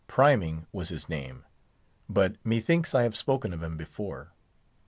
Priming was his name; but methinks I have spoken of him before.